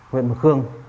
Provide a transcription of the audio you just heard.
huyện mực hương